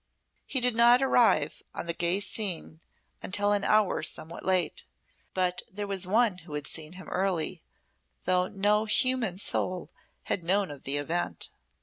He did not arrive on the gay scene until an hour somewhat late. But there was one who had seen him early, though no human soul had known of the event.